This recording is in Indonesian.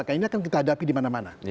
karena ini akan kita hadapi dimana mana